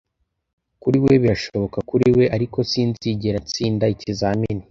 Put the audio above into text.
Kuri we birashoboka kuri we, ariko sinzigera ntsinda ikizamini.